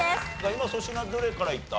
今粗品どれからいった？